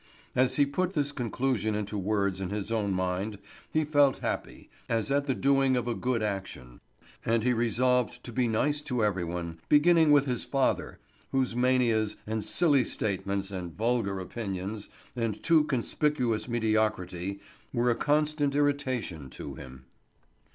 As he put this conclusion into words in his own mind he felt happy, as at the doing of a good action; and he resolved to be nice to every one, beginning with his father, whose manias, and silly statements, and vulgar opinions, and too conspicuous mediocrity were a constant irritation to him.